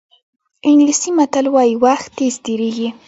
انګلیسي متل وایي وخت تېز تېرېږي.